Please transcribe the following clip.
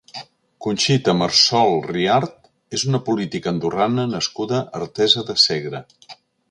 Conxita Marsol Riart és una política andorrana nascuda a Artesa de Segre.